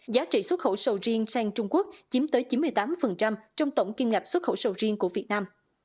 giá trị xuất khẩu sầu riêng sang trung quốc chiếm tới chín mươi tám trong tổng kim ngạch xuất khẩu sầu riêng của việt nam